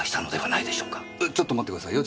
えっちょっと待ってくださいよ。